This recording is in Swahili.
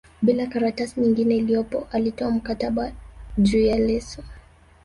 bila karatasi nyingine iliyopo alitoa mkataba juu ya leso